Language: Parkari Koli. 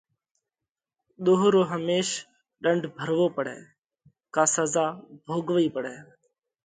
ۮوه رو هميش ڏنڍ ڀروو پڙئه ڪا سزا ڀوڳوَئِي پڙئه۔